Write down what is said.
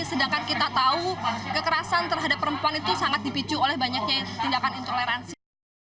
sedangkan kita tahu kekerasan terhadap perempuan itu sangat dipicu oleh banyaknya tindakan intoleransi